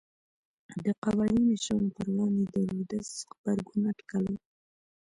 د قبایلي مشرانو پر وړاندې د رودز غبرګون اټکل و.